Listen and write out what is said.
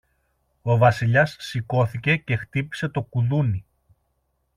Ο Βασιλιάς σηκώθηκε και χτύπησε το κουδούνι.